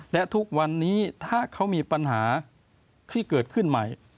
และทุกวันนี้ถ้าเขามีปัญหาที่เกิดขึ้นใหม่